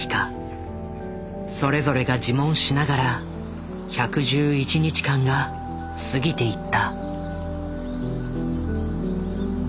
それぞれが自問しながら１１１日間が過ぎていった。